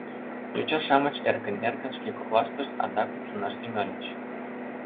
Йоча-шамыч эркын-эркын шке коклаштышт адак мутланаш тӱҥальыч.